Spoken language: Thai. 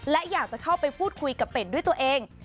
และอยากจะเข้าไปพูดคุยกับเป็ดด้วยตัวเอง